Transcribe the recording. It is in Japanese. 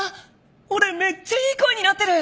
俺めっちゃいい声になってる！